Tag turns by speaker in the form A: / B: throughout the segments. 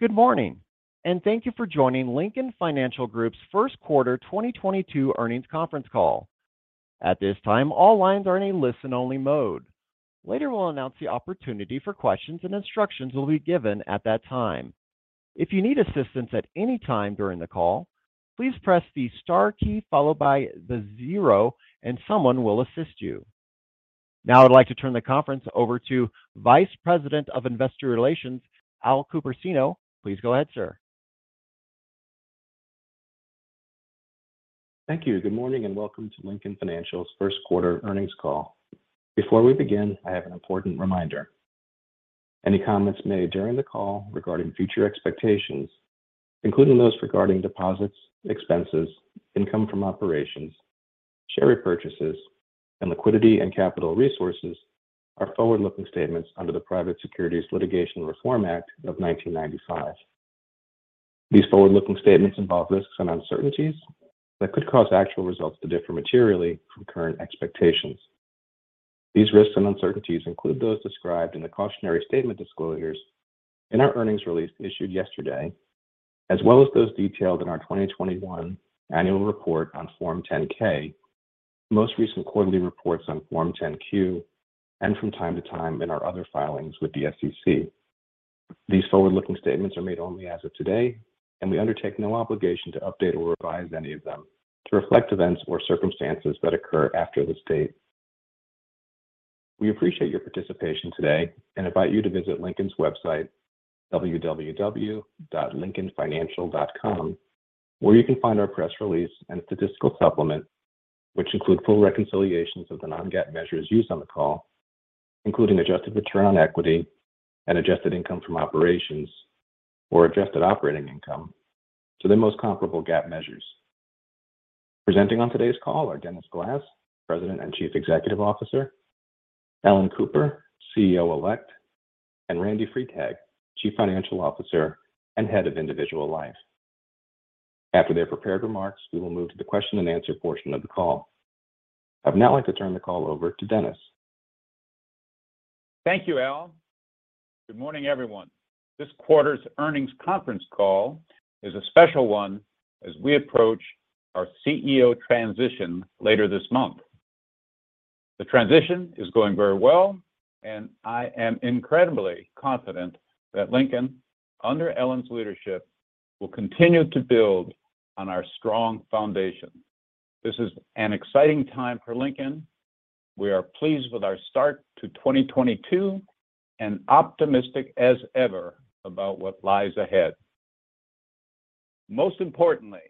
A: Good morning, and thank you for joining Lincoln Financial Group's First Quarter 2022 Earnings Conference Call. At this time, all lines are in a listen only mode. Later, we'll announce the opportunity for questions, and instructions will be given at that time. If you need assistance at any time during the call, please press the star key followed by the zero and someone will assist you. Now I'd like to turn the conference over to Vice President of Investor Relations, Al Copersino. Please go ahead, sir.
B: Thank you. Good morning and welcome to Lincoln Financial's first quarter earnings call. Before we begin, I have an important reminder. Any comments made during the call regarding future expectations, including those regarding deposits, expenses, income from operations, share repurchases, and liquidity and capital resources, are forward-looking statements under the Private Securities Litigation Reform Act of 1995. These forward-looking statements involve risks and uncertainties that could cause actual results to differ materially from current expectations. These risks and uncertainties include those described in the cautionary statement disclosures in our earnings release issued yesterday, as well as those detailed in our 2021 annual report on Form 10-K, most recent quarterly reports on Form 10-Q, and from time to time in our other filings with the SEC. These forward-looking statements are made only as of today, and we undertake no obligation to update or revise any of them to reflect events or circumstances that occur after this date. We appreciate your participation today and invite you to visit Lincoln's website, www.lincolnfinancial.com, where you can find our press release and statistical supplement, which include full reconciliations of the non-GAAP measures used on the call, including adjusted return on equity and adjusted income from operations, or adjusted operating income, to the most comparable GAAP measures. Presenting on today's call are Dennis Glass, President and Chief Executive Officer, Ellen Cooper, CEO Elect, and Randy Freitag, Chief Financial Officer and Head of Individual Life. After their prepared remarks, we will move to the question and answer portion of the call. I'd now like to turn the call over to Dennis.
C: Thank you, Al. Good morning, everyone. This quarter's earnings conference call is a special one as we approach our CEO transition later this month. The transition is going very well, and I am incredibly confident that Lincoln, under Ellen's leadership, will continue to build on our strong foundation. This is an exciting time for Lincoln. We are pleased with our start to 2022 and optimistic as ever about what lies ahead. Most importantly,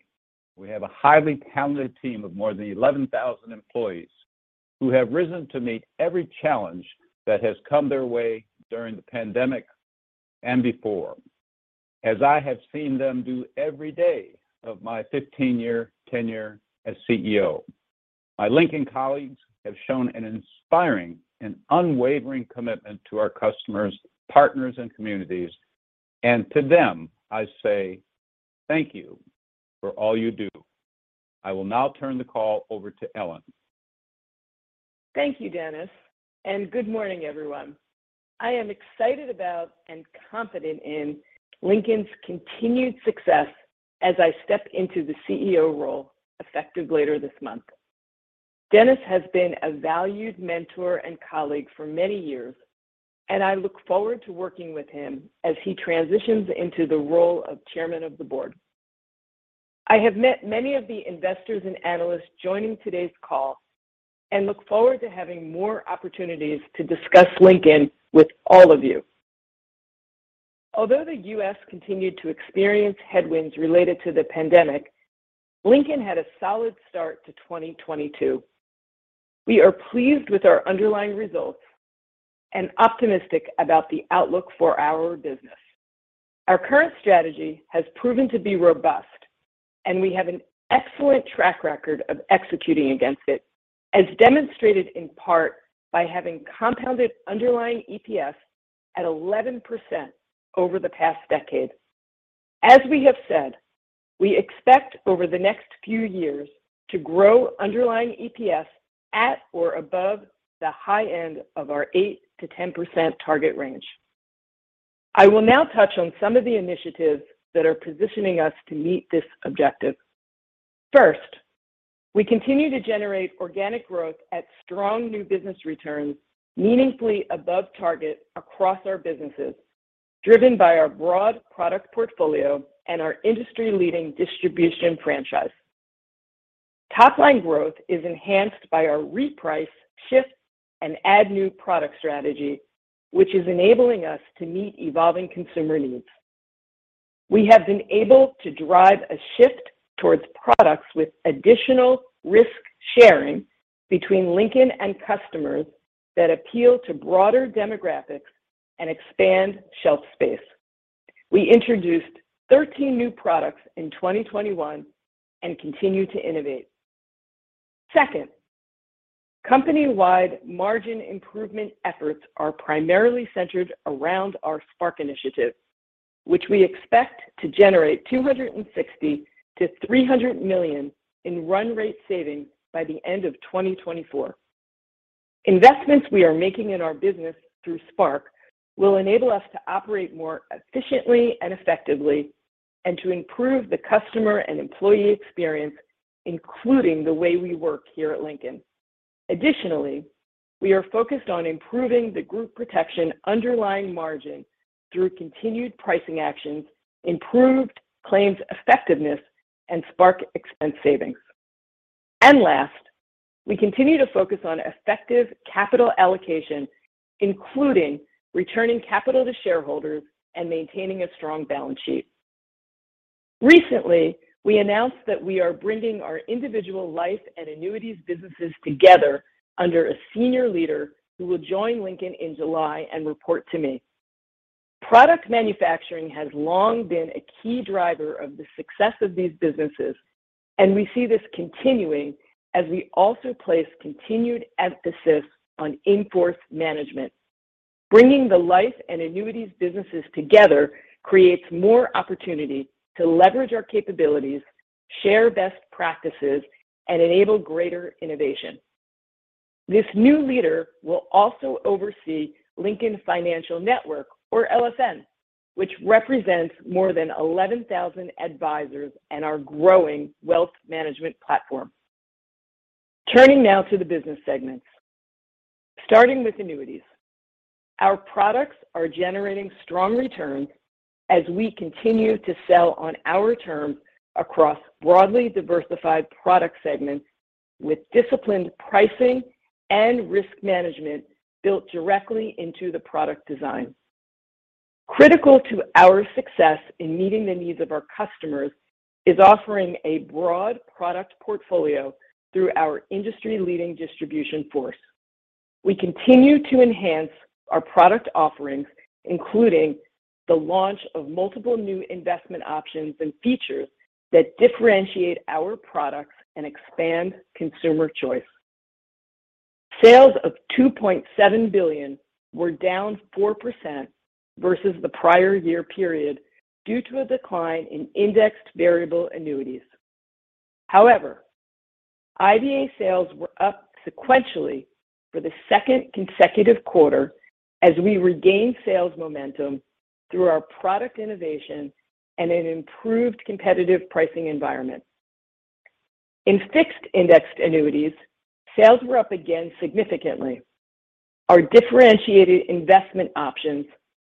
C: we have a highly talented team of more than 11,000 employees who have risen to meet every challenge that has come their way during the pandemic and before. As I have seen them do every day of my 15-year tenure as CEO, my Lincoln colleagues have shown an inspiring and unwavering commitment to our customers, partners, and communities. To them, I say thank you for all you do. I will now turn the call over to Ellen.
D: Thank you, Dennis, and good morning, everyone. I am excited about and confident in Lincoln's continued success as I step into the CEO role effective later this month. Dennis has been a valued mentor and colleague for many years, and I look forward to working with him as he transitions into the role of Chairman of the Board. I have met many of the investors and analysts joining today's call and look forward to having more opportunities to discuss Lincoln with all of you. Although the U.S. continued to experience headwinds related to the pandemic, Lincoln had a solid start to 2022. We are pleased with our underlying results and optimistic about the outlook for our business. Our current strategy has proven to be robust, and we have an excellent track record of executing against it, as demonstrated in part by having compounded underlying EPS at 11% over the past decade. As we have said, we expect over the next few years to grow underlying EPS at or above the high end of our 8%-10% target range. I will now touch on some of the initiatives that are positioning us to meet this objective. First, we continue to generate organic growth at strong new business returns meaningfully above target across our businesses, driven by our broad product portfolio and our industry-leading distribution franchise. Top line growth is enhanced by our reprice, shift, and add new product strategy, which is enabling us to meet evolving consumer needs. We have been able to drive a shift towards products with additional risk sharing between Lincoln and customers that appeal to broader demographics and expand shelf space. We introduced 13 new products in 2021 and continue to innovate. Second, company-wide margin improvement efforts are primarily centered around our Spark initiative, which we expect to generate $260 million-$300 million in run rate savings by the end of 2024. Investments we are making in our business through Spark will enable us to operate more efficiently and effectively and to improve the customer and employee experience, including the way we work here at Lincoln. Additionally, we are focused on improving the Group Protection underlying margin through continued pricing actions, improved claims effectiveness and Spark expense savings. Last, we continue to focus on effective capital allocation, including returning capital to shareholders and maintaining a strong balance sheet. Recently, we announced that we are bringing our individual life and annuities businesses together under a senior leader who will join Lincoln in July and report to me. Product manufacturing has long been a key driver of the success of these businesses, and we see this continuing as we also place continued emphasis on in-force management. Bringing the life and annuities businesses together creates more opportunity to leverage our capabilities, share best practices and enable greater innovation. This new leader will also oversee Lincoln Financial Network or LFN, which represents more than 11,000 advisors and our growing wealth management platform. Turning now to the business segments. Starting with annuities. Our products are generating strong returns as we continue to sell on our terms across broadly diversified product segments with disciplined pricing and risk management built directly into the product design. Critical to our success in meeting the needs of our customers is offering a broad product portfolio through our industry leading distribution force. We continue to enhance our product offerings, including the launch of multiple new investment options and features that differentiate our products and expand consumer choice. Sales of $2.7 billion were down 4% versus the prior year period due to a decline in indexed variable annuities. However, IVA sales were up sequentially for the second consecutive quarter as we regained sales momentum through our product innovation and an improved competitive pricing environment. In fixed indexed annuities, sales were up again significantly. Our differentiated investment options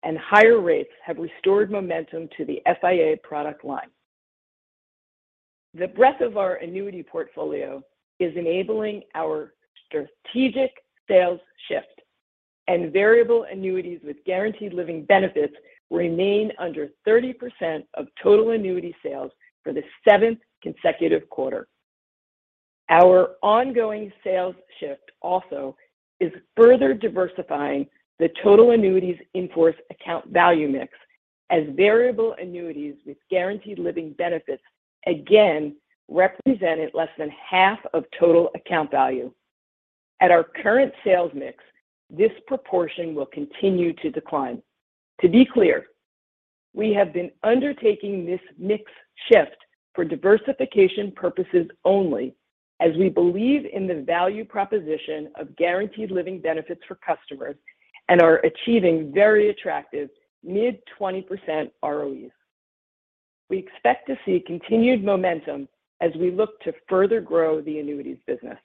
D: and higher rates have restored momentum to the FIA product line. The breadth of our annuity portfolio is enabling our strategic sales shift, and variable annuities with guaranteed living benefits remain under 30% of total annuity sales for the seventh consecutive quarter. Our ongoing sales shift also is further diversifying the total annuities in force account value mix as variable annuities with guaranteed living benefits again represented less than half of total account value. At our current sales mix, this proportion will continue to decline. To be clear, we have been undertaking this mix shift for diversification purposes only as we believe in the value proposition of guaranteed living benefits for customers and are achieving very attractive mid-20% ROEs. We expect to see continued momentum as we look to further grow the annuities business.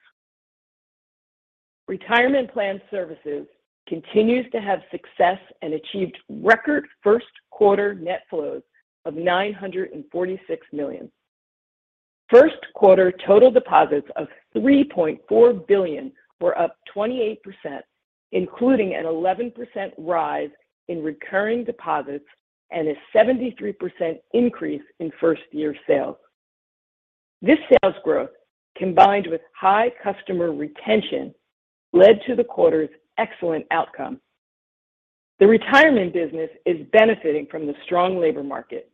D: Retirement Plan Services continues to have success and achieved record first quarter net flows of $946 million. First quarter total deposits of $3.4 billion were up 28%, including an 11% rise in recurring deposits and a 73% increase in first year sales. This sales growth, combined with high customer retention, led to the quarter's excellent outcome. The retirement business is benefiting from the strong labor market.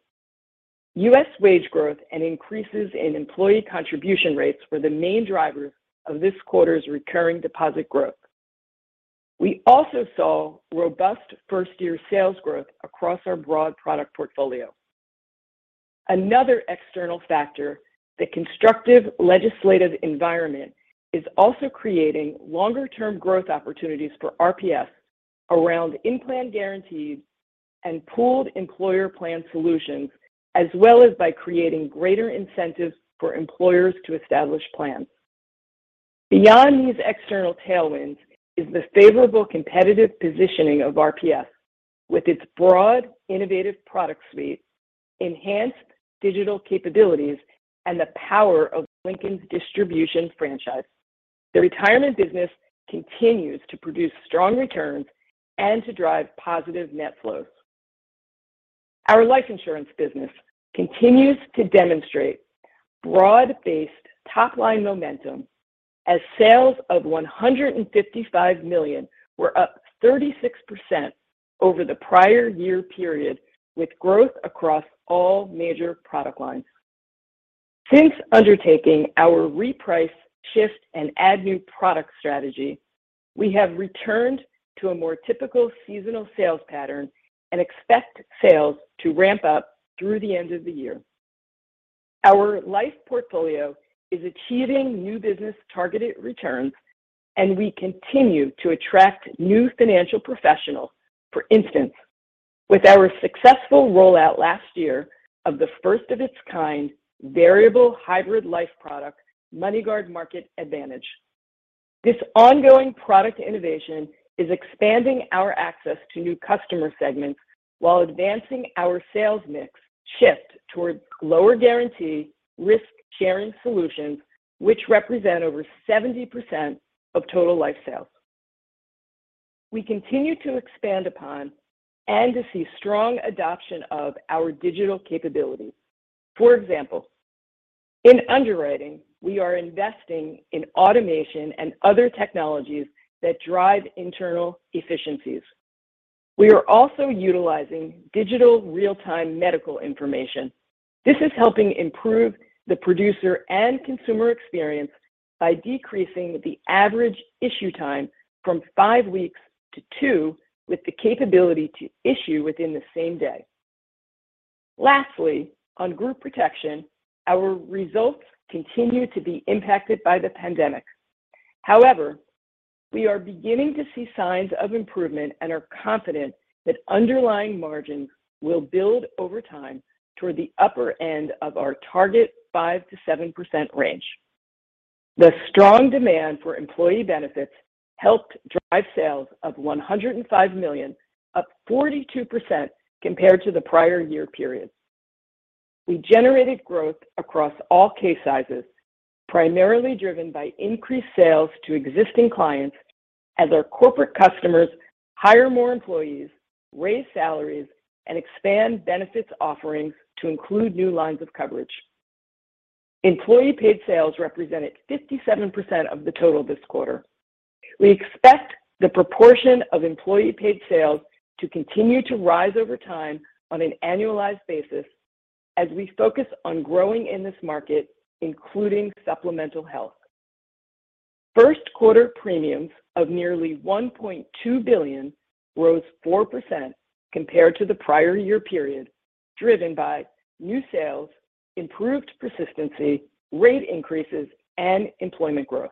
D: US wage growth and increases in employee contribution rates were the main drivers of this quarter's recurring deposit growth. We also saw robust first year sales growth across our broad product portfolio. Another external factor, the constructive legislative environment, is also creating longer term growth opportunities for RPS around in-plan guarantees and Pooled Employer Plan solutions, as well as by creating greater incentives for employers to establish plans. Beyond these external tailwinds is the favorable competitive positioning of RPS with its broad, innovative product suite, enhanced digital capabilities, and the power of Lincoln's distribution franchise. The retirement business continues to produce strong returns and to drive positive net flows. Our life insurance business continues to demonstrate broad-based top line momentum as sales of $155 million were up 36% over the prior year period, with growth across all major product lines. Since undertaking our reprice, shift and add new product strategy, we have returned to a more typical seasonal sales pattern and expect sales to ramp up through the end of the year. Our life portfolio is achieving new business targeted returns, and we continue to attract new financial professionals. For instance, with our successful rollout last year of the first of its kind variable hybrid life product, MoneyGuard Market Advantage. This ongoing product innovation is expanding our access to new customer segments while advancing our sales mix shift towards lower guarantee risk-sharing solutions, which represent over 70% of total life sales. We continue to expand upon and to see strong adoption of our digital capabilities. For example, in underwriting, we are investing in automation and other technologies that drive internal efficiencies. We are also utilizing digital real-time medical information. This is helping improve the producer and consumer experience by decreasing the average issue time from 5 weeks to 2 with the capability to issue within the same day. Lastly, on Group Protection, our results continue to be impacted by the pandemic. However, we are beginning to see signs of improvement and are confident that underlying margins will build over time toward the upper end of our target 5%-7% range. The strong demand for employee benefits helped drive sales of $105 million, up 42% compared to the prior year period. We generated growth across all case sizes, primarily driven by increased sales to existing clients as our corporate customers hire more employees, raise salaries and expand benefits offerings to include new lines of coverage. Employee paid sales represented 57% of the total this quarter. We expect the proportion of employee paid sales to continue to rise over time on an annualized basis as we focus on growing in this market, including supplemental health. First quarter premiums of nearly $1.2 billion rose 4% compared to the prior year period, driven by new sales, improved persistency, rate increases and employment growth.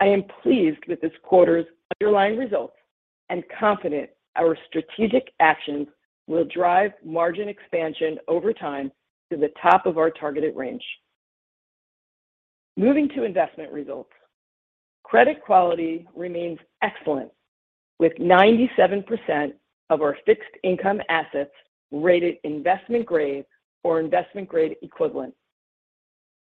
D: I am pleased with this quarter's underlying results and confident our strategic actions will drive margin expansion over time to the top of our targeted range. Moving to investment results. Credit quality remains excellent with 97% of our fixed income assets rated investment grade or investment grade equivalent.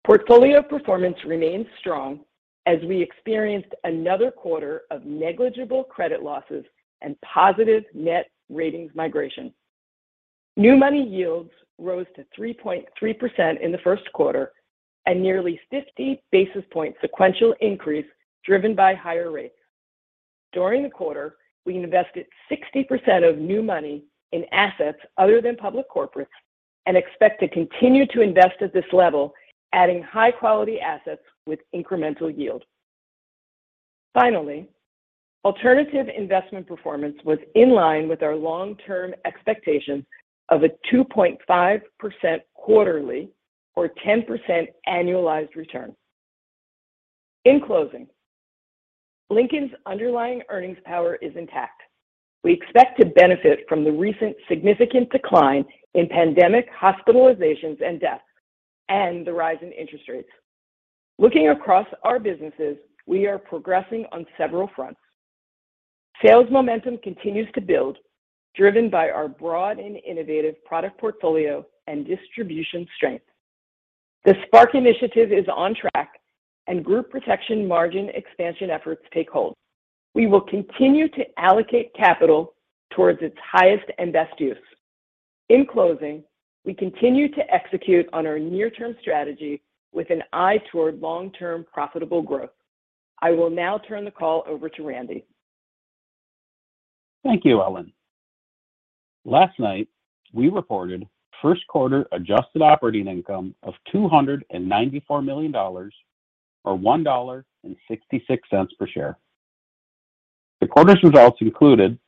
D: Portfolio performance remains strong as we experienced another quarter of negligible credit losses and positive net ratings migration. New money yields rose to 3.3% in the first quarter and nearly 50 basis point sequential increase driven by higher rates. During the quarter, we invested 60% of new money in assets other than public corporates and expect to continue to invest at this level, adding high-quality assets with incremental yield. Finally, alternative investment performance was in line with our long-term expectations of a 2.5% quarterly or 10% annualized return. In closing, Lincoln's underlying earnings power is intact. We expect to benefit from the recent significant decline in pandemic hospitalizations and deaths and the rise in interest rates. Looking across our businesses, we are progressing on several fronts. Sales momentum continues to build, driven by our broad and innovative product portfolio and distribution strength. The Spark initiative is on track and Group Protection margin expansion efforts take hold. We will continue to allocate capital towards its highest and best use. In closing, we continue to execute on our near-term strategy with an eye toward long-term profitable growth. I will now turn the call over to Randy.
E: Thank you, Ellen. Last night, we reported first quarter adjusted operating income of $294 million, or $1.66 per share. The quarter's results included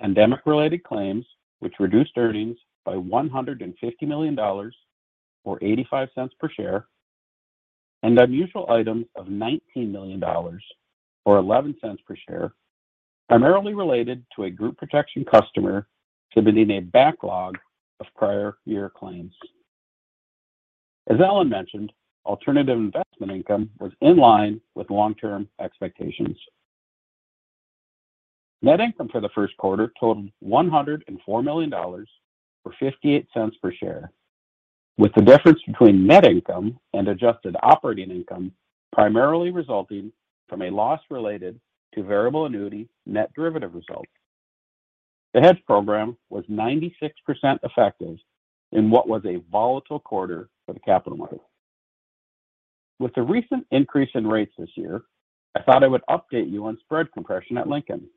E: pandemic-related claims which reduced earnings by $150 million or $0.85 per share, and unusual items of $19 million or $0.11 per share, primarily related to a Group Protection customer submitting a backlog of prior year claims. As Ellen mentioned, alternative investment income was in line with long-term expectations. Net income for the first quarter totaled $104 million or $0.58 per share, with the difference between net income and adjusted operating income primarily resulting from a loss related to variable annuity net derivative results. The hedge program was 96% effective in what was a volatile quarter for the capital market. With the recent increase in rates this year, I thought I would update you on spread compression at Lincoln.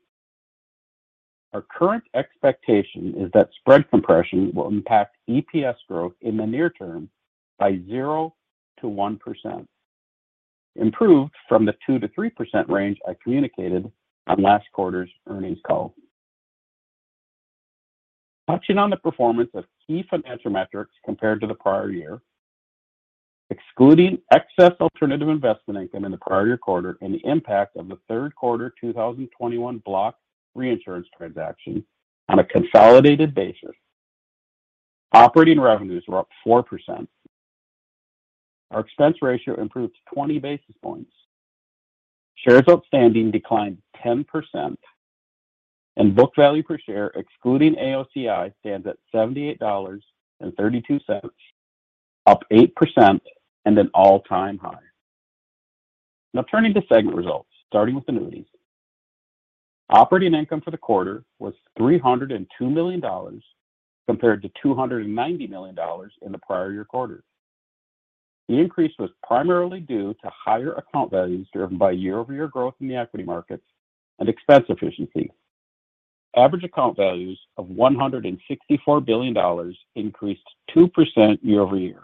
E: Our current expectation is that spread compression will impact EPS growth in the near term by 0%-1%, improved from the 2%-3% range I communicated on last quarter's earnings call. Touching on the performance of key financial metrics compared to the prior year, excluding excess alternative investment income in the prior year quarter and the impact of the third quarter 2021 block reinsurance transaction on a consolidated basis, operating revenues were up 4%. Our expense ratio improved 20 basis points. Shares outstanding declined 10%, and book value per share excluding AOCI stands at $78.32, up 8% and an all-time high. Now turning to segment results, starting with annuities. Operating income for the quarter was $302 million compared to $290 million in the prior year quarter. The increase was primarily due to higher account values driven by year-over-year growth in the equity markets and expense efficiency. Average account values of $164 billion increased 2% year-over-year.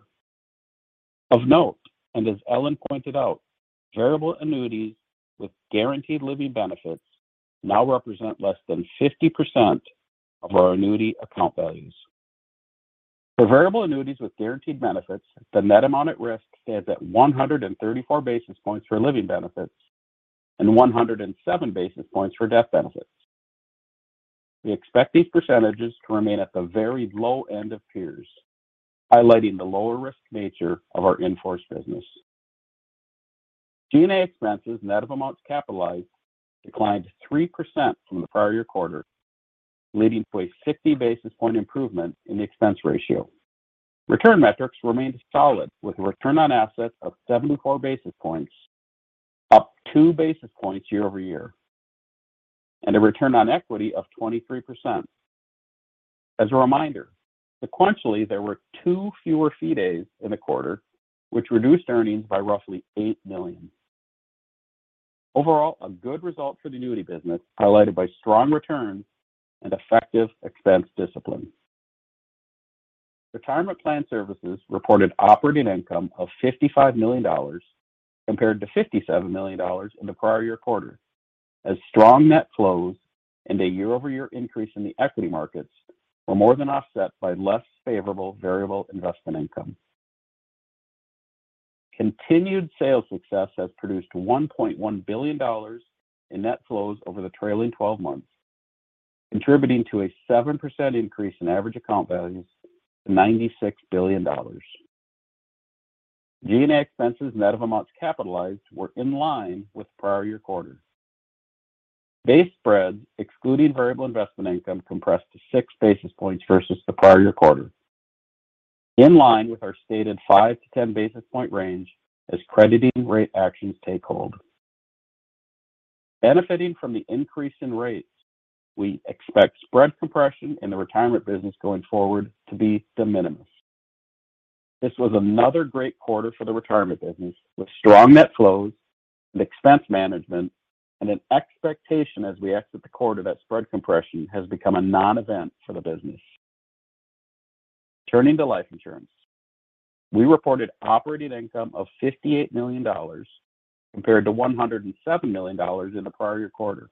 E: Of note, and as Ellen pointed out, variable annuities with guaranteed living benefits now represent less than 50% of our annuity account values. For variable annuities with guaranteed benefits, the net amount at risk stands at 134 basis points for living benefits and 107 basis points for death benefits. We expect these percentages to remain at the very low end of peers, highlighting the lower risk nature of our in-force business. G&A expenses net of amounts capitalized declined 3% from the prior year quarter, leading to a 50 basis point improvement in the expense ratio. Return metrics remained solid with return on assets of 74 basis points, up 2 basis points year-over-year, and a return on equity of 23%. As a reminder, sequentially, there were 2 fewer fee days in the quarter, which reduced earnings by roughly $8 million. Overall, a good result for the annuity business, highlighted by strong returns and effective expense discipline. Retirement Plan Services reported operating income of $55 million compared to $57 million in the prior year quarter. As strong net flows and a year-over-year increase in the equity markets were more than offset by less favorable variable investment income. Continued sales success has produced $1.1 billion in net flows over the trailing twelve months, contributing to a 7% increase in average account values to $96 billion. G&A expenses net of amounts capitalized were in line with the prior year quarter. Base spreads excluding variable investment income compressed to 6 basis points versus the prior year quarter, in line with our stated 5-10 basis point range as crediting rate actions take hold. Benefiting from the increase in rates, we expect spread compression in the retirement business going forward to be de minimis. This was another great quarter for the retirement business with strong net flows and expense management, and an expectation as we exit the quarter that spread compression has become a non-event for the business. Turning to life insurance. We reported operating income of $58 million compared to $107 million in the prior year quarter.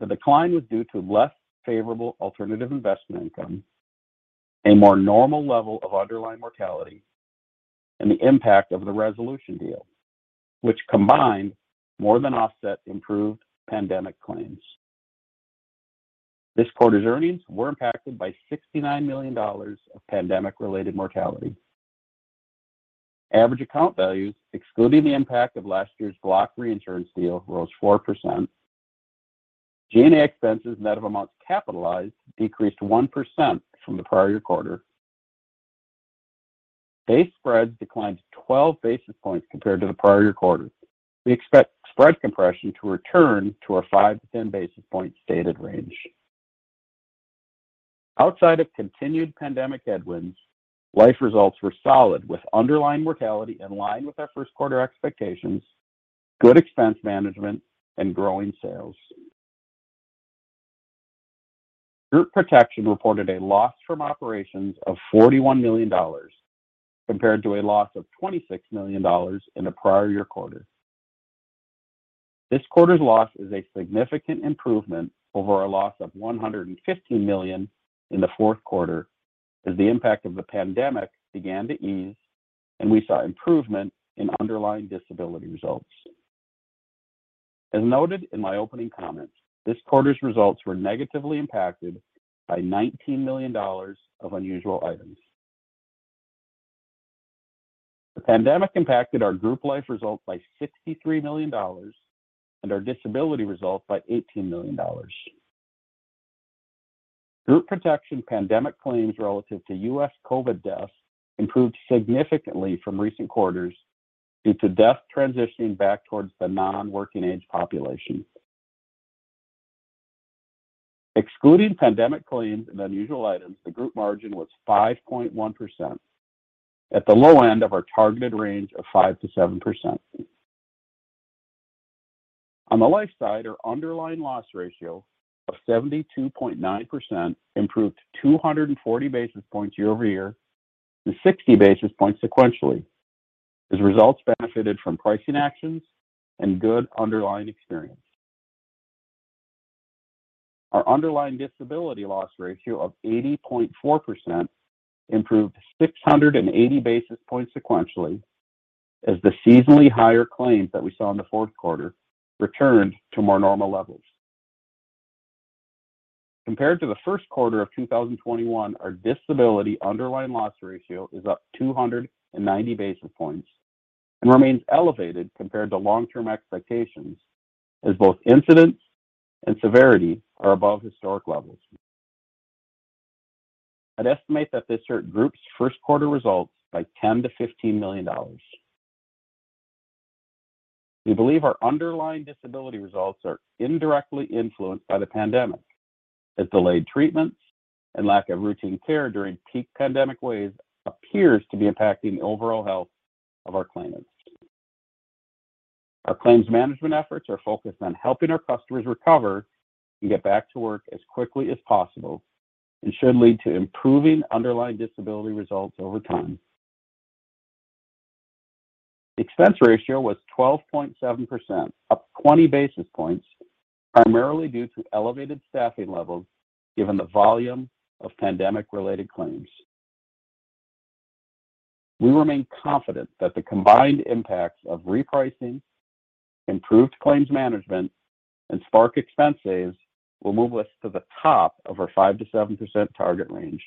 E: The decline was due to less favorable alternative investment income, a more normal level of underlying mortality, and the impact of the Resolution deal, which combined more than offset improved pandemic claims. This quarter's earnings were impacted by $69 million of pandemic-related mortality. Average account values excluding the impact of last year's block reinsurance deal rose 4%. G&A expenses net of amounts capitalized decreased 1% from the prior year quarter. Base spreads declined 12 basis points compared to the prior year quarter. We expect spread compression to return to our 5-10 basis points stated range. Outside of continued pandemic headwinds, life results were solid with underlying mortality in line with our first quarter expectations, good expense management, and growing sales. Group Protection reported a loss from operations of $41 million compared to a loss of $26 million in the prior year quarter. This quarter's loss is a significant improvement over a loss of $150 million in the fourth quarter as the impact of the pandemic began to ease and we saw improvement in underlying disability results. As noted in my opening comments, this quarter's results were negatively impacted by $19 million of unusual items. The pandemic impacted our group life results by $63 million and our disability results by $18 million. Group Protection pandemic claims relative to U.S. COVID deaths improved significantly from recent quarters due to deaths transitioning back towards the non-working age population. Excluding pandemic claims and unusual items, the group margin was 5.1% at the low end of our targeted range of 5%-7%. On the life side, our underlying loss ratio of 72.9% improved 240 basis points year-over-year and 60 basis points sequentially. As results benefited from pricing actions and good underlying experience. Our underlying disability loss ratio of 80.4% improved 680 basis points sequentially as the seasonally higher claims that we saw in the fourth quarter returned to more normal levels. Compared to the first quarter of 2021, our disability underlying loss ratio is up 290 basis points and remains elevated compared to long-term expectations as both incidence and severity are above historic levels. I'd estimate that this hurt Group's first quarter results by $10 million-$15 million. We believe our underlying disability results are indirectly influenced by the pandemic, as delayed treatments and lack of routine care during peak pandemic waves appears to be impacting the overall health of our claimants. Our claims management efforts are focused on helping our customers recover and get back to work as quickly as possible and should lead to improving underlying disability results over time. Expense ratio was 12.7%, up 20 basis points, primarily due to elevated staffing levels given the volume of pandemic-related claims. We remain confident that the combined impacts of repricing, improved claims management, and Spark expense saves will move us to the top of our 5%-7% target range.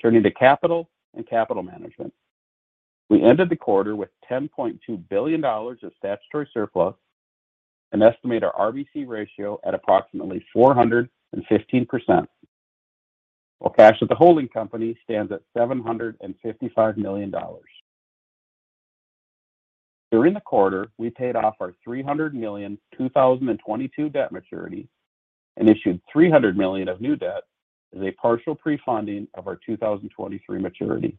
E: Turning to capital and capital management. We ended the quarter with $10.2 billion of statutory surplus and estimate our RBC ratio at approximately 415%, while cash at the holding company stands at $755 million. During the quarter, we paid off our $300 million 2022 debt maturity and issued $300 million of new debt as a partial prefunding of our 2023 maturity.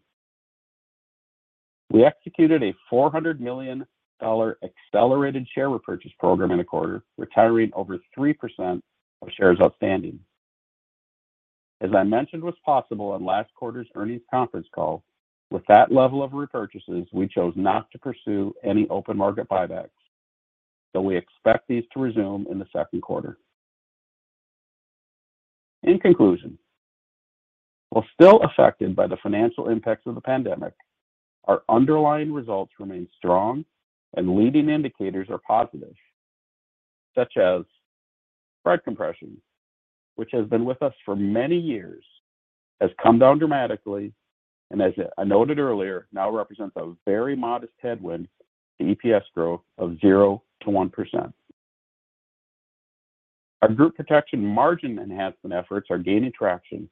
E: We executed a $400 million accelerated share repurchase program in the quarter, retiring over 3% of shares outstanding. As I mentioned was possible on last quarter's earnings conference call, with that level of repurchases, we chose not to pursue any open market buybacks, though we expect these to resume in the second quarter. In conclusion, while still affected by the financial impacts of the pandemic, our underlying results remain strong and leading indicators are positive, such as spread compression, which has been with us for many years, has come down dramatically, and as I noted earlier, now represents a very modest headwind to EPS growth of 0%-1%. Our Group Protection margin enhancement efforts are gaining traction,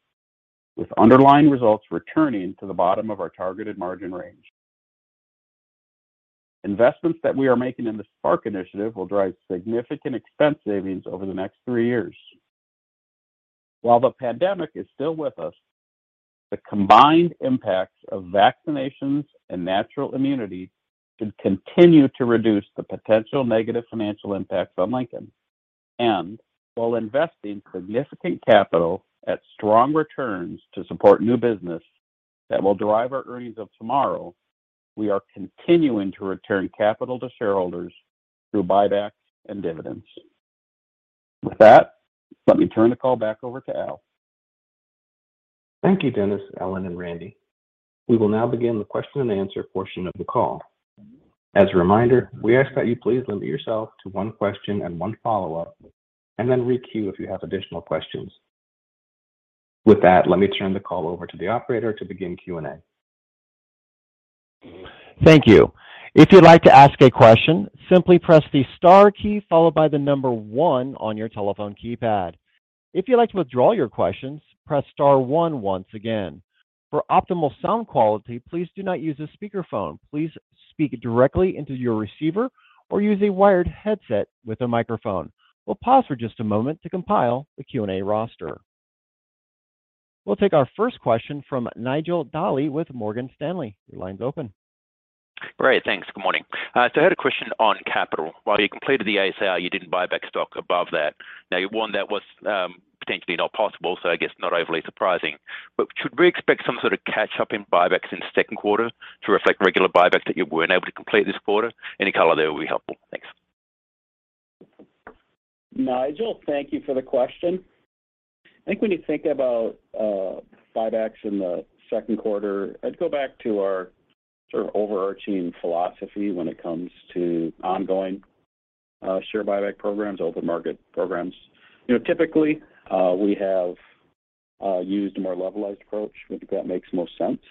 E: with underlying results returning to the bottom of our targeted margin range. Investments that we are making in the Spark initiative will drive significant expense savings over the next three years. While the pandemic is still with us, the combined impacts of vaccinations and natural immunity should continue to reduce the potential negative financial impacts on Lincoln. While investing significant capital at strong returns to support new business that will drive our earnings of tomorrow, we are continuing to return capital to shareholders through buybacks and dividends. With that, let me turn the call back over to Al.
B: Thank you, Dennis, Ellen, and Randy. We will now begin the question and answer portion of the call. As a reminder, we ask that you please limit yourself to one question and one follow-up, and then re-queue if you have additional questions. With that, let me turn the call over to the operator to begin Q&A.
A: Thank you. If you'd like to ask a question, simply press the star key followed by the number one on your telephone keypad. If you'd like to withdraw your questions, press star one once again. For optimal sound quality, please do not use a speakerphone. Please speak directly into your receiver or use a wired headset with a microphone. We'll pause for just a moment to compile the Q&A roster. We'll take our first question from Nigel Dally with Morgan Stanley. Your line's open.
F: Great, thanks. Good morning. So I had a question on capital. While you completed the ASR, you didn't buy back stock above that. Now you warned that was potentially not possible, so I guess not overly surprising. Should we expect some sort of catch-up in buybacks in the second quarter to reflect regular buybacks that you weren't able to complete this quarter? Any color there will be helpful. Thanks.
E: Nigel, thank you for the question. I think when you think about buybacks in the second quarter, I'd go back to our sort of overarching philosophy when it comes to ongoing share buyback programs, open market programs. You know, typically, we have used a more levelized approach. We think that makes most sense,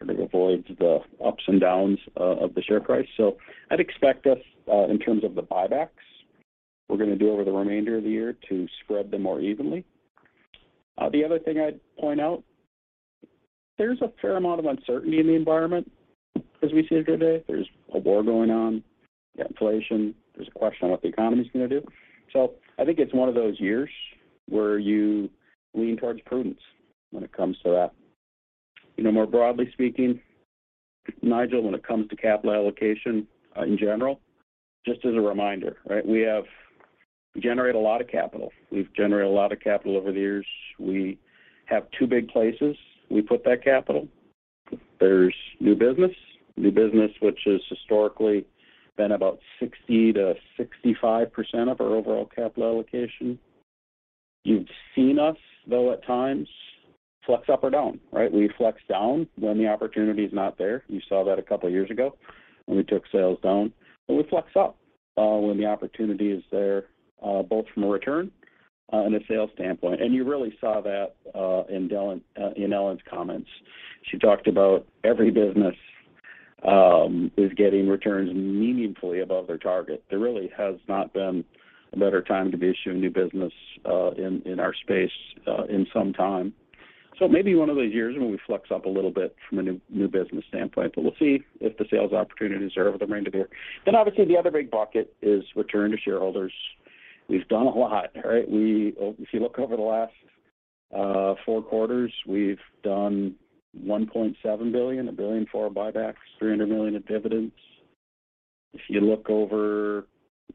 E: sort of avoids the ups and downs of the share price. I'd expect us in terms of the buybacks we're gonna do over the remainder of the year to spread them more evenly. The other thing I'd point out, there's a fair amount of uncertainty in the environment as we see it today. There's a war going on, you have inflation. There's a question on what the economy's gonna do. I think it's one of those years where you lean towards prudence when it comes to that. You know, more broadly speaking, Nigel, when it comes to capital allocation, in general, just as a reminder, right, we have generated a lot of capital. We've generated a lot of capital over the years. We have two big places we put that capital. There's new business. New business which has historically been about 60%-65% of our overall capital allocation. You've seen us though at times flex up or down, right? We flex down when the opportunity is not there. You saw that a couple of years ago when we took sales down. We flex up when the opportunity is there, both from a return and a sales standpoint. You really saw that in Ellen's comments. She talked about every business is getting returns meaningfully above their target. There really has not been a better time to be issuing new business in our space in some time. Maybe one of the years when we flex up a little bit from a new business standpoint, but we'll see if the sales opportunities are over the remainder of the year. Obviously the other big bucket is returns to shareholders. We've done a lot, all right. If you look over the last four quarters, we've done $1.7 billion, $1 billion for our buybacks, $300 million in dividends. If you look over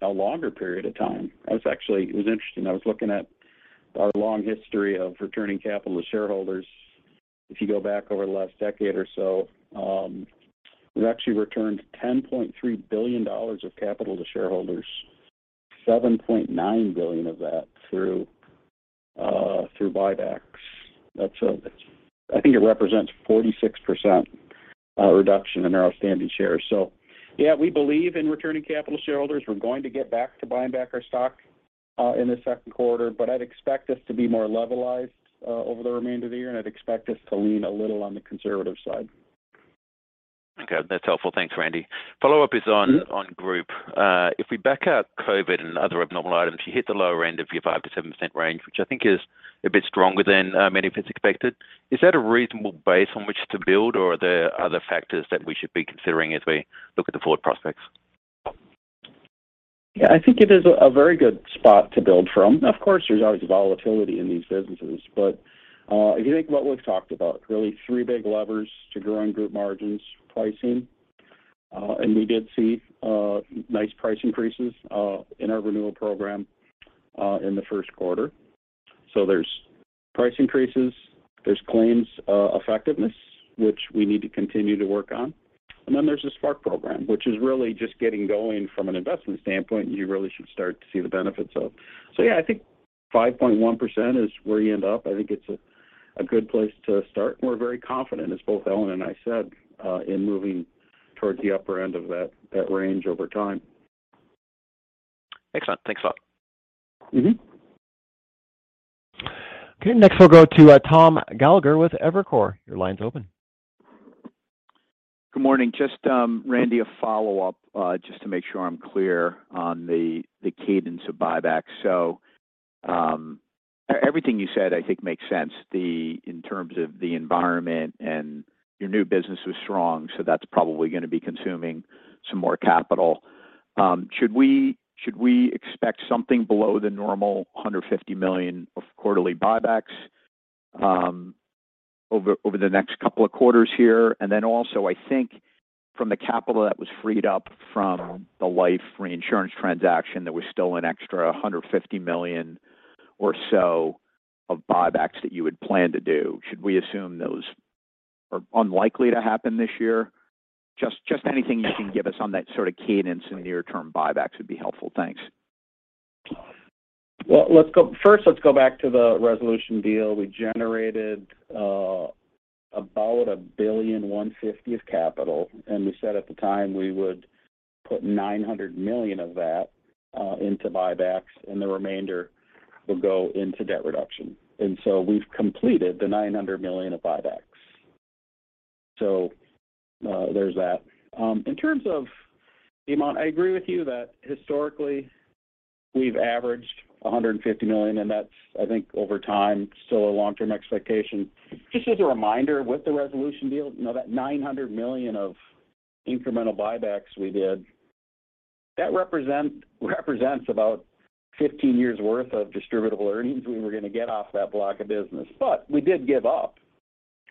E: a longer period of time. It was interesting. I was looking at our long history of returning capital to shareholders. If you go back over the last decade or so, we've actually returned $10.3 billion of capital to shareholders, $7.9 billion of that through buybacks. That's I think it represents 46% reduction in our outstanding shares. Yeah, we believe in returning capital to shareholders. We're going to get back to buying back our stock in the second quarter, but I'd expect us to be more levelized over the remainder of the year, and I'd expect us to lean a little on the conservative side.
F: Okay. That's helpful. Thanks, Randy. Follow-up is on.
E: Mm-hmm.
F: On Group. If we back out COVID and other abnormal items, you hit the lower end of your 5%-7% range, which I think is a bit stronger than many of us expected. Is that a reasonable base on which to build, or are there other factors that we should be considering as we look at the forward prospects?
E: Yeah, I think it is a very good spot to build from. Of course, there's always volatility in these businesses. If you think what we've talked about, really three big levers to growing group margins, pricing, and we did see nice price increases in our renewal program in the first quarter. There's price increases, there's claims effectiveness, which we need to continue to work on. And then there's the Spark program, which is really just getting going from an investment standpoint, you really should start to see the benefits of. Yeah, I think 5.1% is where you end up. I think it's a good place to start. We're very confident, as both Ellen and I said, in moving towards the upper end of that range over time.
F: Excellent. Thanks a lot.
E: Mm-hmm.
A: Okay. Next we'll go to Tom Gallagher with Evercore. Your line's open.
G: Good morning. Just, Randy, a follow-up, just to make sure I'm clear on the cadence of buyback. Everything you said I think makes sense. In terms of the environment and your new business was strong, so that's probably gonna be consuming some more capital. Should we expect something below the normal $150 million of quarterly buybacks over the next couple of quarters here? Then also, I think from the capital that was freed up from the life reinsurance transaction, there was still an extra $150 million or so of buybacks that you had planned to do. Should we assume those are unlikely to happen this year? Just anything you can give us on that sort of cadence in near term buybacks would be helpful. Thanks.
E: First, let's go back to the Resolution deal. We generated about $1.15 billion of capital, and we said at the time we would put $900 million of that into buybacks and the remainder will go into debt reduction. We've completed the $900 million of buybacks. So, there's that. In terms of the amount, I agree with you that historically we've averaged $150 million, and that's, I think over time, still a long-term expectation. Just as a reminder, with the Resolution deal, you know, that $900 million of incremental buybacks we did, that represents about 15 years worth of distributable earnings we were gonna get off that block of business. But we did give up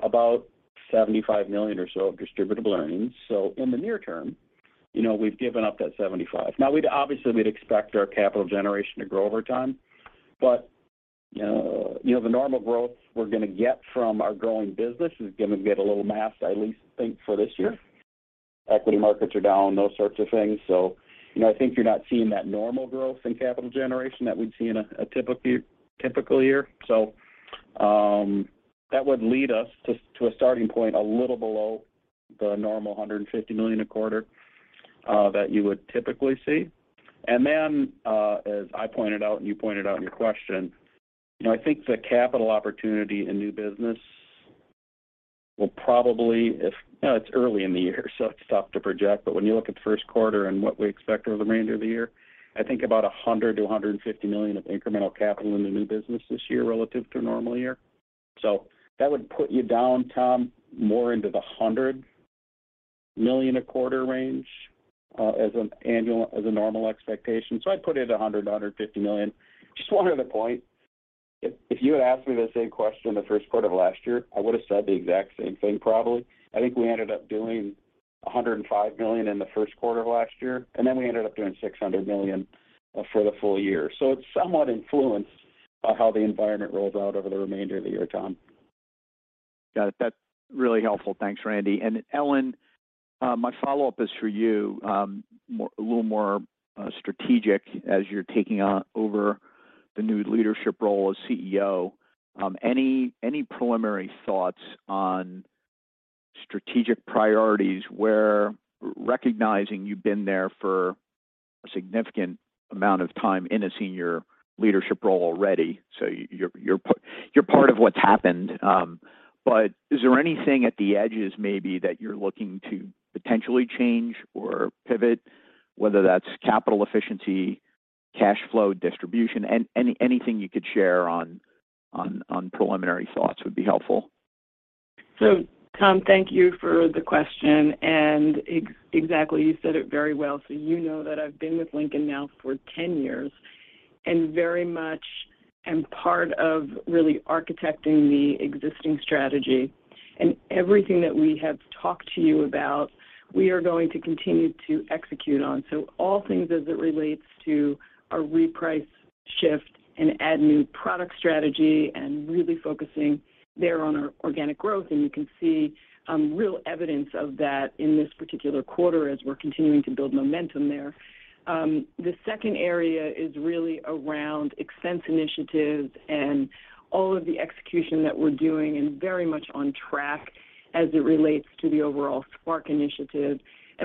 E: about $75 million or so of distributable earnings. In the near term, you know, we've given up that $75. Now we'd obviously expect our capital generation to grow over time. The normal growth we're going to get from our growing business is going to get a little masked, I at least think, for this year. Equity markets are down, those sorts of things. You know, I think you're not seeing that normal growth in capital generation that we'd see in a typical year. That would lead us to a starting point a little below the normal $150 million a quarter that you would typically see. As I pointed out and you pointed out in your question, you know, I think the capital opportunity in new business will probably if You know, it's early in the year, so it's tough to project. When you look at first quarter and what we expect over the remainder of the year, I think about $100-$150 million of incremental capital in the new business this year relative to a normal year. That would put you down, Tom, more into the $100 million a quarter range, as a normal expectation. I'd put it at $100-$150 million. Just one other point. If you had asked me the same question the first quarter of last year, I would have said the exact same thing probably. I think we ended up doing $105 million in the first quarter of last year, and then we ended up doing $600 million for the full year. It's somewhat influenced by how the environment rolls out over the remainder of the year, Tom.
G: Got it. That's really helpful. Thanks, Randy. Ellen, my follow-up is for you. A little more strategic as you're taking over the new leadership role as CEO. Any preliminary thoughts on strategic priorities where recognizing you've been there for a significant amount of time in a senior leadership role already, so you're part of what's happened. Is there anything at the edges maybe that you're looking to potentially change or pivot, whether that's capital efficiency, cash flow distribution? Anything you could share on preliminary thoughts would be helpful.
D: Tom, thank you for the question, and exactly, you said it very well. You know that I've been with Lincoln now for ten years and very much am part of really architecting the existing strategy. Everything that we have talked to you about, we are going to continue to execute on. All things as it relates to our reprice shift and add new product strategy and really focusing there on our organic growth, and you can see real evidence of that in this particular quarter as we're continuing to build momentum there. The second area is really around expense initiatives and all of the execution that we're doing and very much on track as it relates to the overall Spark initiative.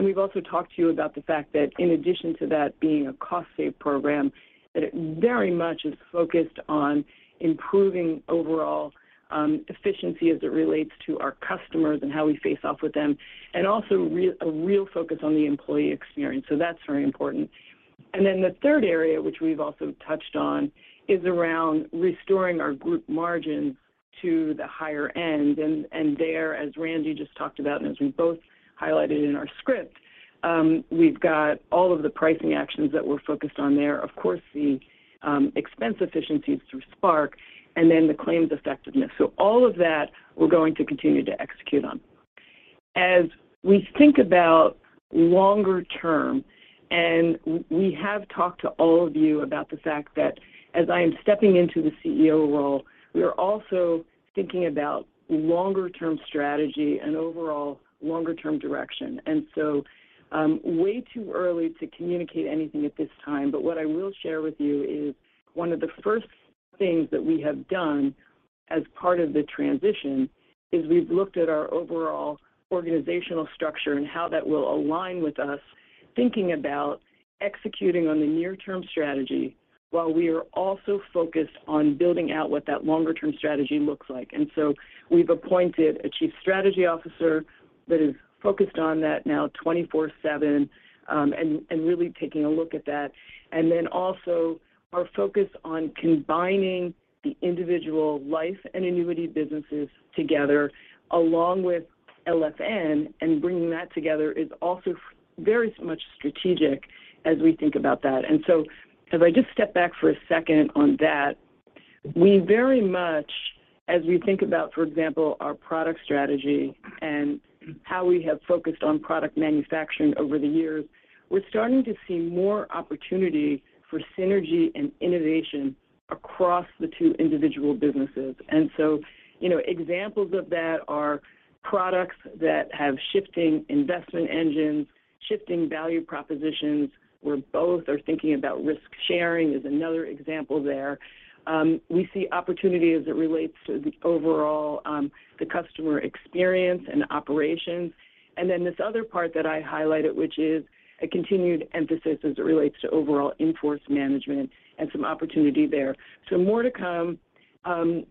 D: We've also talked to you about the fact that in addition to that being a cost savings program, that it very much is focused on improving overall efficiency as it relates to our customers and how we face off with them, and also a real focus on the employee experience. That's very important. Then the third area, which we've also touched on, is around restoring our group margin to the higher end. There, as Randy just talked about, and as we both highlighted in our script, we've got all of the pricing actions that we're focused on there. Of course, the expense efficiencies through Spark and then the claims effectiveness. All of that we're going to continue to execute on. As we think about longer term, and we have talked to all of you about the fact that as I am stepping into the CEO role, we are also thinking about longer term strategy and overall longer term direction. Way too early to communicate anything at this time. What I will share with you is one of the first things that we have done as part of the transition is we've looked at our overall organizational structure and how that will align with us thinking about executing on the near term strategy while we are also focused on building out what that longer term strategy looks like. We've appointed a chief strategy officer that is focused on that now 24/7, and really taking a look at that. Our focus on combining the individual life and annuity businesses together along with LFN and bringing that together is also very much strategic as we think about that. As I just step back for a second on that, we very much as we think about, for example, our product strategy and how we have focused on product manufacturing over the years, we're starting to see more opportunity for synergy and innovation across the two individual businesses. You know, examples of that are products that have shifting investment engines, shifting value propositions, where both are thinking about risk sharing is another example there. We see opportunity as it relates to the overall, the customer experience and operations. This other part that I highlighted, which is a continued emphasis as it relates to overall in-force management and some opportunity there. More to come.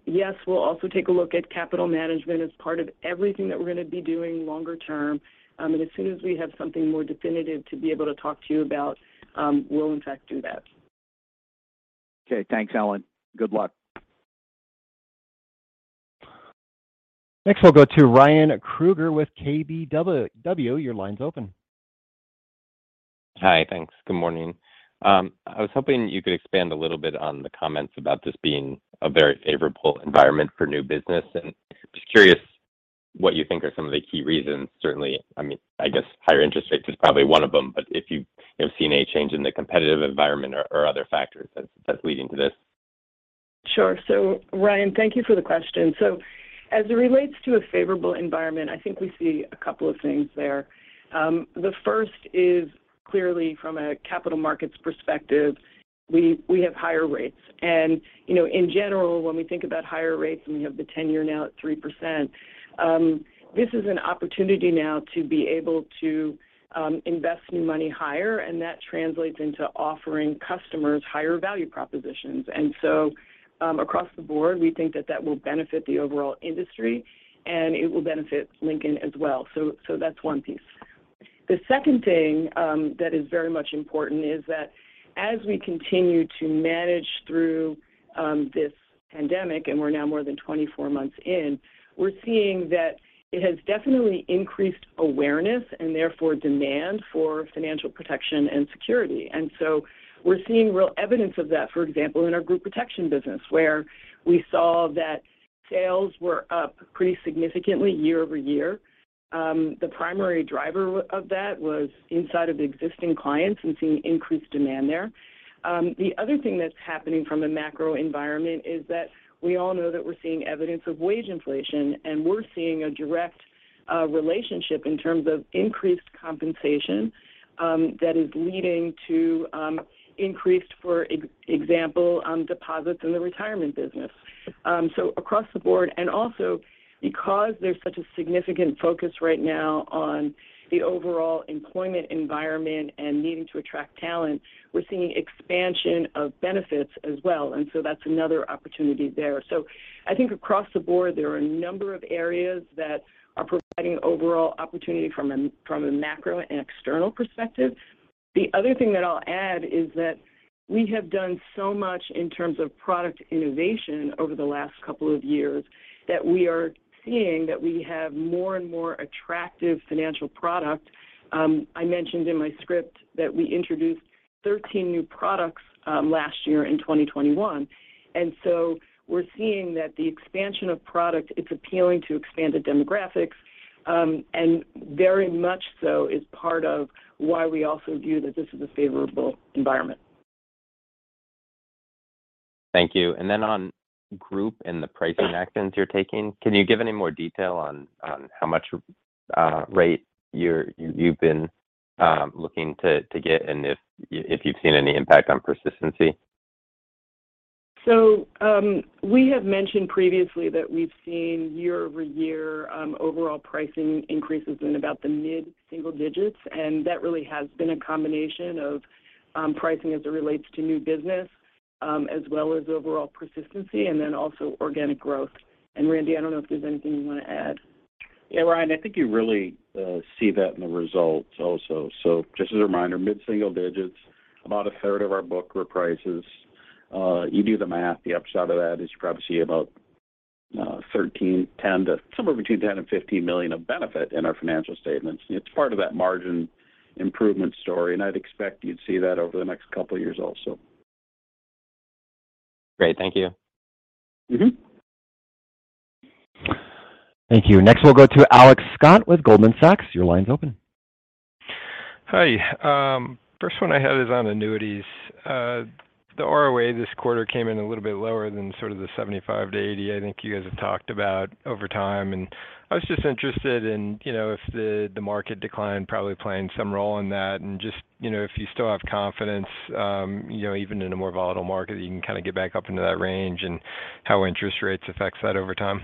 D: Yes, we'll also take a look at capital management as part of everything that we're gonna be doing longer term. As soon as we have something more definitive to be able to talk to you about, we'll in fact do that.
G: Okay. Thanks, Ellen. Good luck.
A: Next, we'll go to Ryan Krueger with KBW. Your line's open.
H: Hi. Thanks. Good morning. I was hoping you could expand a little bit on the comments about this being a very favorable environment for new business and just curious what you think are some of the key reasons. Certainly, I mean, I guess higher interest rates is probably one of them, but if you have seen any change in the competitive environment or other factors that's leading to this.
D: Sure. Ryan, thank you for the question. As it relates to a favorable environment, I think we see a couple of things there. The first is clearly from a capital markets perspective, we have higher rates. You know, in general, when we think about higher rates, and we have the 10-year now at 3%, this is an opportunity now to be able to invest new money higher, and that translates into offering customers higher value propositions. Across the board, we think that will benefit the overall industry, and it will benefit Lincoln as well. That's one piece. The second thing that is very much important is that as we continue to manage through this pandemic, and we're now more than 24 months in, we're seeing that it has definitely increased awareness and therefore demand for financial protection and security. We're seeing real evidence of that, for example, in our Group Protection business, where we saw sales were up pretty significantly year-over-year. The primary driver of that was inside of existing clients and seeing increased demand there. The other thing that's happening from a macro environment is that we all know that we're seeing evidence of wage inflation, and we're seeing a direct relationship in terms of increased compensation that is leading to increased, for example, deposits in the retirement business. Across the board, and also because there's such a significant focus right now on the overall employment environment and needing to attract talent, we're seeing expansion of benefits as well. That's another opportunity there. I think across the board, there are a number of areas that are providing overall opportunity from a, from a macro and external perspective. The other thing that I'll add is that we have done so much in terms of product innovation over the last couple of years that we are seeing that we have more and more attractive financial product. I mentioned in my script that we introduced 13 new products last year in 2021, and so we're seeing that the expansion of product, it's appealing to expanded demographics, and very much so is part of why we also view that this is a favorable environment.
H: Thank you. On group and the pricing actions you're taking, can you give any more detail on how much rate you've been looking to get and if you've seen any impact on persistency?
D: We have mentioned previously that we've seen year-over-year overall pricing increases in about the mid-single digits, and that really has been a combination of pricing as it relates to new business, as well as overall persistency and then also organic growth. Randy, I don't know if there's anything you want to add.
E: Yeah. Ryan, I think you really see that in the results also. Just as a reminder, mid-single digits, about a third of our book reprices. You do the math, the upside of that is you probably see about somewhere between $10-$15 million of benefit in our financial statements. It's part of that margin improvement story, and I'd expect you'd see that over the next couple of years also.
H: Great. Thank you.
D: Mm-hmm.
A: Thank you. Next, we'll go to Alex Scott with Goldman Sachs. Your line's open.
I: Hi. First one I had is on annuities. The ROA this quarter came in a little bit lower than sort of the 75%-80% I think you guys have talked about over time, and I was just interested in, you know, if the market decline probably playing some role in that and just, you know, if you still have confidence, you know, even in a more volatile market, you can kind of get back up into that range and how interest rates affects that over time.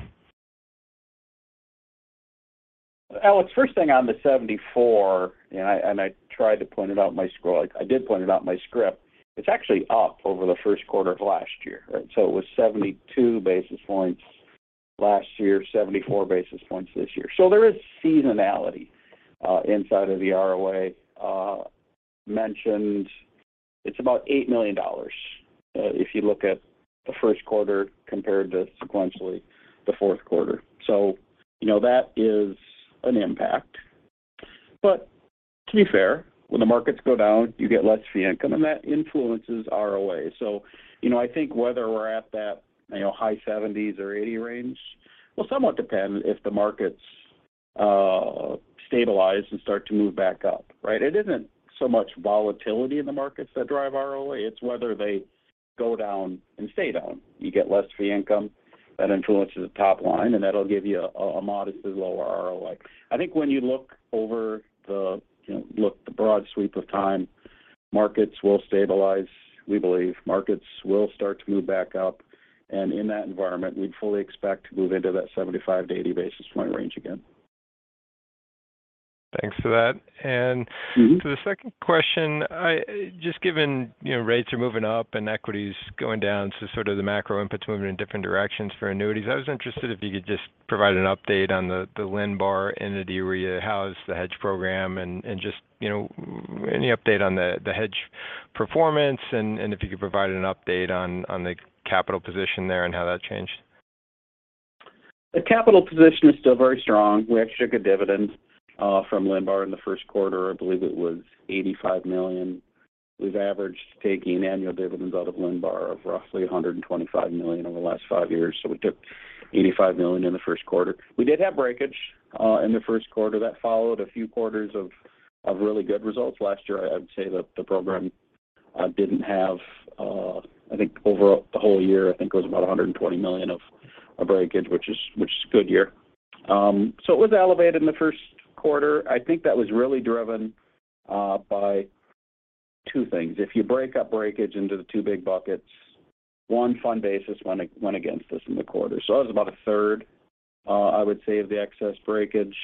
E: Alex, first thing on the 74, I did point it out in my script. It's actually up over the first quarter of last year, right? It was 72 basis points last year, 74 basis points this year. There is seasonality inside of the ROA, mentioned it's about $8 million if you look at the first quarter compared to sequentially the fourth quarter. You know, that is an impact. To be fair, when the markets go down, you get less fee income, and that influences ROA. You know, I think whether we're at that, you know, high 70s or 80 range will somewhat depend if the markets stabilize and start to move back up, right? It isn't so much volatility in the markets that drive ROA, it's whether they go down and stay down. You get less fee income, that influences the top line, and that'll give you a modestly lower ROA. I think when you look over the, you know, look the broad sweep of time, markets will stabilize. We believe markets will start to move back up, and in that environment, we'd fully expect to move into that 75-80 basis point range again.
I: Thanks for that.
E: Mm-hmm.
I: To the second question, just given, you know, rates are moving up and equity's going down, so sort of the macro inputs moving in different directions for annuities, I was interested if you could just provide an update on the runoff annuity where you house the hedge program and just, you know, any update on the hedge performance and if you could provide an update on the capital position there and how that changed?
E: The capital position is still very strong. We actually took a dividend from Liberty in the first quarter. I believe it was $85 million. We've averaged taking annual dividends out of Liberty of roughly $125 million over the last five years, so we took $85 million in the first quarter. We did have breakage in the first quarter. That followed a few quarters of really good results. Last year, I'd say the program. I think over the whole year it was about $120 million of breakage, which is a good year. It was elevated in the first quarter. I think that was really driven by two things. If you break up breakage into the two big buckets, one fund basis went against us in the quarter. That was about a third, I would say, of the excess breakage.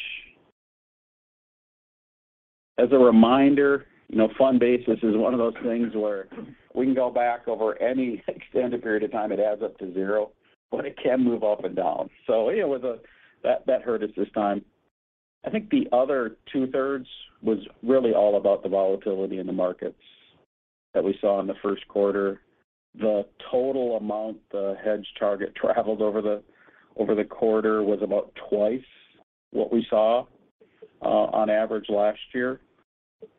E: As a reminder, you know, fund basis is one of those things where we can go back over any extended period of time, it adds up to zero, but it can move up and down. Yeah, that hurt us this time. I think the other two-thirds was really all about the volatility in the markets that we saw in the first quarter. The total amount the hedge target traveled over the quarter was about twice what we saw on average last year.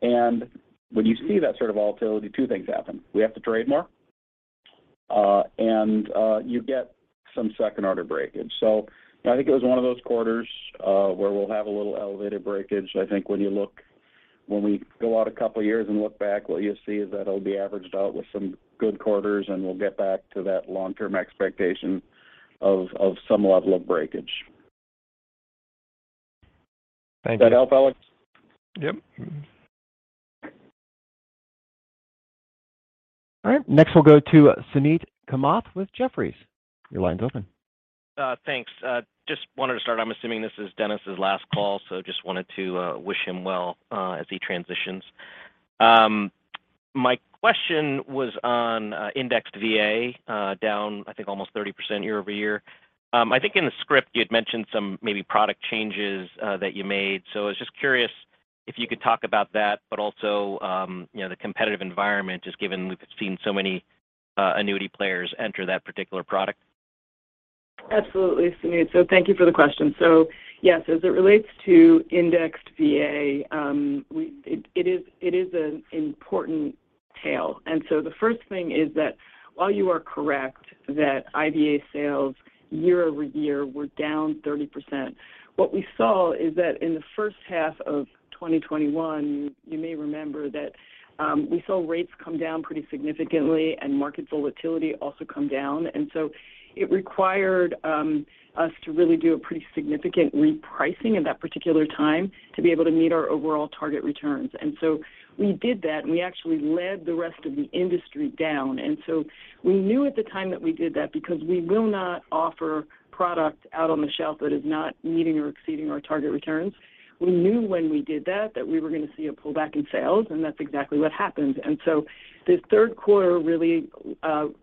E: When you see that sort of volatility, two things happen. We have to trade more, and you get some second order breakage. I think it was one of those quarters where we'll have a little elevated breakage. I think when you look. When we go out a couple of years and look back, what you'll see is that it'll be averaged out with some good quarters, and we'll get back to that long-term expectation of some level of breakage.
I: Thank you. Does that help, Alex? Yep. Mm-hmm.
A: All right, next we'll go to Suneet Kamath with Jefferies. Your line's open.
J: Thanks. Just wanted to start, I'm assuming this is Dennis' last call, so just wanted to wish him well as he transitions. My question was on indexed VA, down I think almost 30% year-over-year. I think in the script you'd mentioned some maybe product changes that you made. I was just curious if you could talk about that, but also, you know, the competitive environment, just given we've seen so many annuity players enter that particular product.
D: Absolutely, Suneet. Thank you for the question. Yes, as it relates to indexed VA, it is an important tail. The first thing is that while you are correct that IVA sales year-over-year were down 30%, what we saw is that in the first half of 2021, you may remember that, we saw rates come down pretty significantly and market volatility also come down. It required us to really do a pretty significant repricing at that particular time to be able to meet our overall target returns. We did that, and we actually led the rest of the industry down. We knew at the time that we did that because we will not offer product out on the shelf that is not meeting or exceeding our target returns. We knew when we did that that we were going to see a pullback in sales, and that's exactly what happened. The third quarter really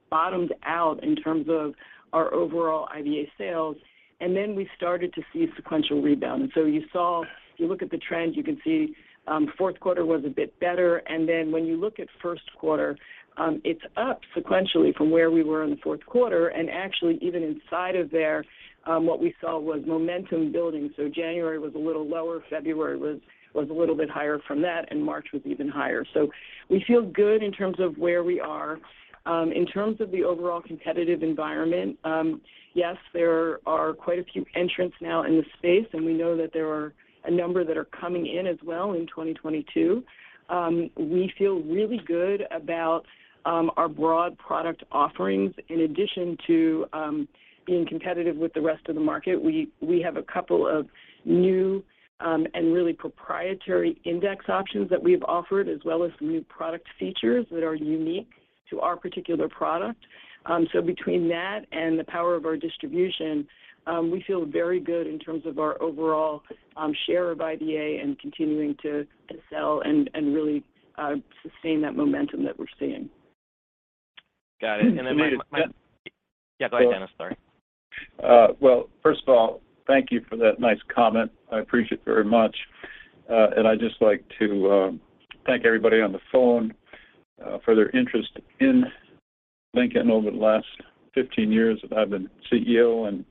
D: bottomed out in terms of our overall IVA sales. We started to see a sequential rebound. You saw if you look at the trends, you can see fourth quarter was a bit better. When you look at first quarter, it's up sequentially from where we were in the fourth quarter. Actually even inside of there, what we saw was momentum building. January was a little lower, February was a little bit higher from that, and March was even higher. We feel good in terms of where we are. In terms of the overall competitive environment, yes, there are quite a few entrants now in the space, and we know that there are a number that are coming in as well in 2022. We feel really good about our broad product offerings. In addition to being competitive with the rest of the market, we have a couple of new and really proprietary index options that we have offered, as well as some new product features that are unique to our particular product. Between that and the power of our distribution, we feel very good in terms of our overall share of IVA and continuing to sell and really sustain that momentum that we're seeing.
J: Got it.
E: Suneet, Dennis
J: Yeah, go ahead, Dennis. Sorry.
C: Well, first of all, thank you for that nice comment. I appreciate it very much. I'd just like to thank everybody on the phone for their interest in Lincoln over the last 15 years that I've been CEO, and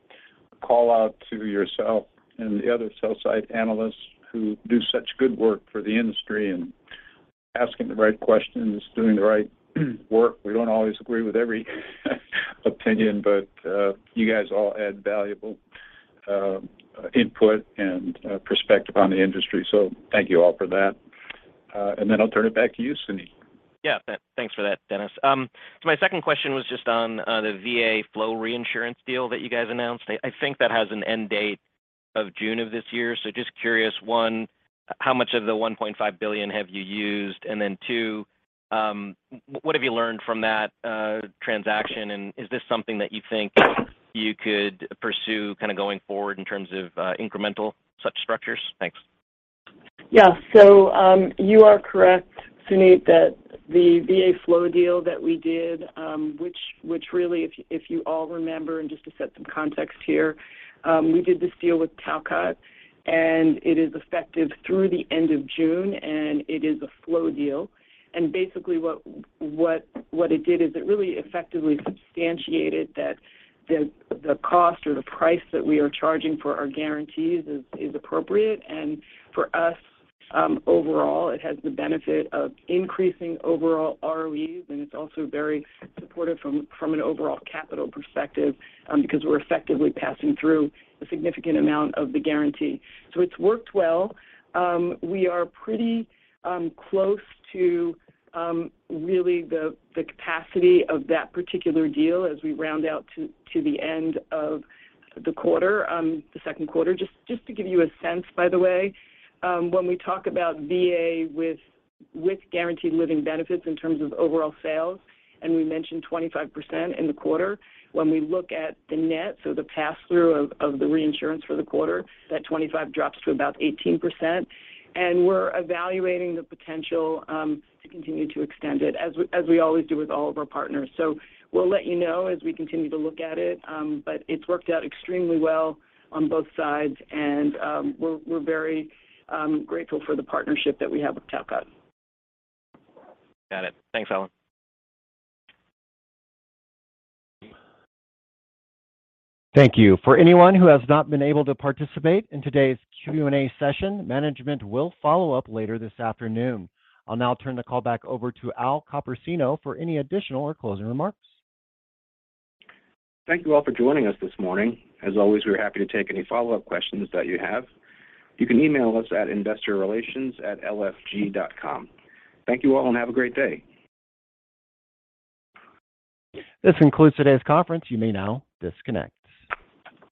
C: call out to yourself and the other sell-side analysts who do such good work for the industry and asking the right questions, doing the right work. We don't always agree with every opinion, but you guys all add valuable input and perspective on the industry. Thank you all for that. I'll turn it back to you, Suneet.
J: Yeah. Thanks for that, Dennis. My second question was just on the VA flow reinsurance deal that you guys announced. I think that has an end date of June of this year. Just curious, one, how much of the $1.5 billion have you used? And then two, what have you learned from that transaction, and is this something that you think you could pursue kind of going forward in terms of incremental such structures? Thanks.
D: Yeah. You are correct, Suneet, that the VA flow deal that we did, which really, if you all remember, and just to set some context here, we did this deal with Talcott, and it is effective through the end of June, and it is a flow deal. Basically what it did is it really effectively substantiated that the cost or the price that we are charging for our guarantees is appropriate. For us, overall it has the benefit of increasing overall ROEs, and it's also very supportive from an overall capital perspective, because we're effectively passing through a significant amount of the guarantee. It's worked well. We are pretty close to really the capacity of that particular deal as we round out to the end of the quarter, the second quarter. Just to give you a sense, by the way, when we talk about VA with guaranteed living benefits in terms of overall sales, and we mentioned 25% in the quarter. When we look at the net, so the pass-through of the reinsurance for the quarter, that 25% drops to about 18%. We're evaluating the potential to continue to extend it as we always do with all of our partners. We'll let you know as we continue to look at it. It's worked out extremely well on both sides and we're very grateful for the partnership that we have with Talcott.
J: Got it. Thanks, Ellen.
A: Thank you. For anyone who has not been able to participate in today's Q&A session, management will follow up later this afternoon. I'll now turn the call back over to Al Copersino for any additional or closing remarks.
B: Thank you all for joining us this morning. As always, we are happy to take any follow-up questions that you have. You can email us at investorrelations@LFG.com. Thank you all and have a great day.
A: This concludes today's conference. You may now disconnect.